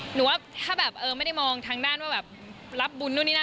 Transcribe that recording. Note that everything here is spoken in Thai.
หนูว่าถ้าแบบเออไม่ได้มองทางด้านว่าแบบรับบุญนู่นนี่นั่น